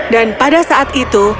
dan pada saat itu